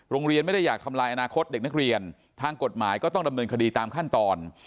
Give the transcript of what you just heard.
โรงเรียนไม่ได้อยากทำลายอนาคตเด็กนักเรียนทางกฎหมายก็ต้องดำเนินคดีตามขั้นตอน